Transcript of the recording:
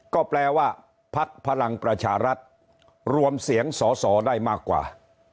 ก็แปลว่าพักพลังประชารัฐรวมเสียงสอสอได้มากกว่า